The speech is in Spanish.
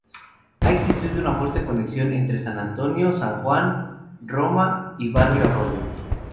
Ha existido una fuerte conexión entre San Antonio, San Juan, Roma y Barrio Arroyo.